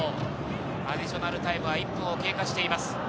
アディショナルタイムは１分を経過しています。